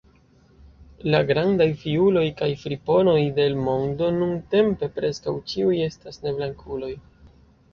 La grandaj fiuloj kaj friponoj de l’ mondo nuntempe preskaŭ ĉiuj estas neblankuloj.